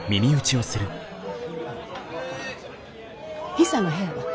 ヒサの部屋は？